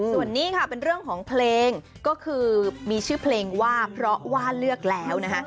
ส่วนนี้ค่ะเป็นเรื่องของเพลงก็คือมีชื่อเพลงว่าเพราะว่าเลือกแล้วนะคะ